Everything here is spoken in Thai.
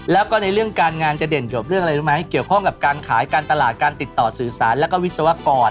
แล้วก็ในเรื่องการงานจะเด่นเกี่ยวกับเรื่องอะไรรู้ไหมเกี่ยวข้องกับการขายการตลาดการติดต่อสื่อสารแล้วก็วิศวกร